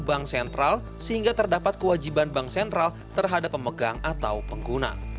bank sentral sehingga terdapat kewajiban bank sentral terhadap pemegang atau pengguna